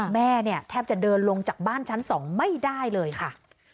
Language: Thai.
แม่เนี่ยแทบจะเดินลงจากบ้านชั้น๒ไม่ได้เลยค่ะ